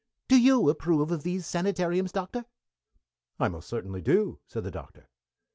Do you approve of these sanitariums, Doctor?" "I most certainly do," said the Doctor.